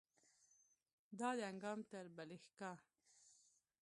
له دانګام تر بلهیکا